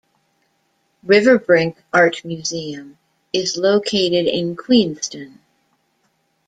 RiverBrink Art Museum is located in Queenston.